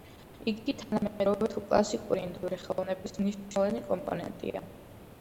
იგი თანამედროვე თუ კლასიკური ინდური ხელოვნების მნიშვნელოვანი კომპონენტია.